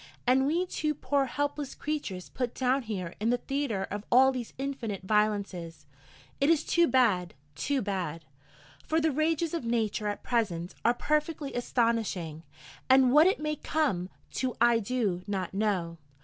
And we two poor helpless creatures put down here in the theatre of all these infinite violences: it is too bad, too bad. For the rages of Nature at present are perfectly astonishing, and what it may come to I do not know.